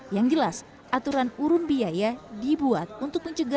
yang jelas aturan urun biaya dibuat untuk menjaga